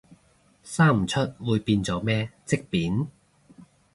生唔出會變咗咩，積便？